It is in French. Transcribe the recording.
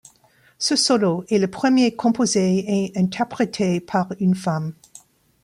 Ce solo est le premier composé et interprété par une femme.